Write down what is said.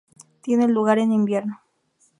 Tiene lugar en invierno.